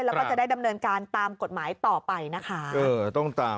แล้วก็จะได้ดำเนินการตามกฎหมายต่อไปนะคะ